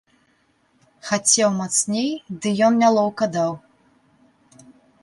Хацеў мацней, ды ён нялоўка даў.